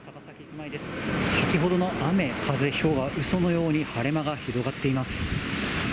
先ほどの雨、風、ひょうがうそのように晴れ間が広がっています。